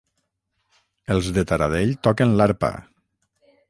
Els de Taradell toquen l'arpa.